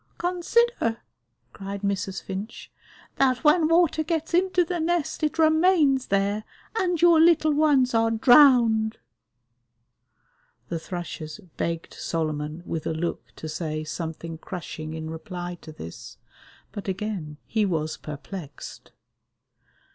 "Consider," cried Mrs. Finch, "that when water gets into the nest it remains there and your little ones are drowned." The thrushes begged Solomon with a look to say something crushing in reply to this, but again he was perplexed.